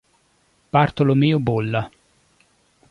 Bartolomeo Bolla